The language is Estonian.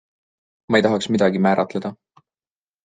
Ma ei tahaks midagi määratleda.